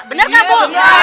bener gak bu